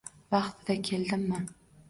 Vaqtida keldimmi?